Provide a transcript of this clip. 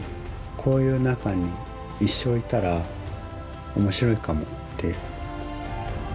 こういう中に一生いたら面白いかもって。